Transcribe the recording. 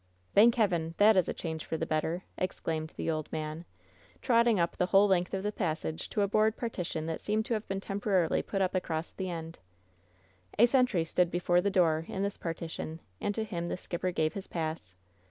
"Thank Heaven, that is a change for the better!" ex claimed the old man, trotting up the whole length of the passage to a board partition that seemed to have been temporarily put up across the end. A sentry stood before the door in this partition, and to him the skipper gave his pass.